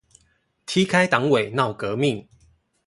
踢開黨委鬧革命